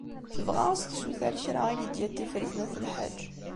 Tebɣa ad as-tessuter kra i Lidya n Tifrit n At Lḥaǧ.